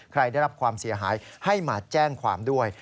ได้รับความเสียหายให้มาแจ้งความด้วย